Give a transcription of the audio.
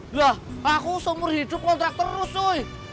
ya aku seumur hidup kontrak terus cuy